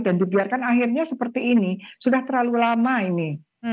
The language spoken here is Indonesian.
dibiarkan akhirnya seperti ini sudah terlalu lama ini